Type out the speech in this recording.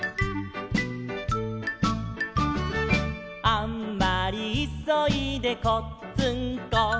「あんまりいそいでこっつんこ」